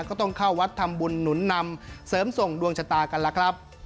ก็ต้องเข้าวัดทำบุญหนุนนำเสริมส่งดวงชะตากันล่ะครับ